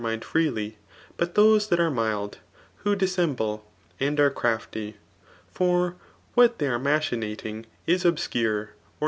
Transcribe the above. inind freely* but those that are mild, who dissem* bk^ and are crafty ; for [what they are madiinating3 is o fci ciis e^ or.